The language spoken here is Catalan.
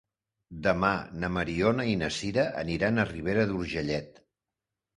Demà na Mariona i na Sira aniran a Ribera d'Urgellet.